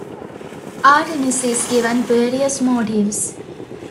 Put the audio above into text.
Artemis is given various motives.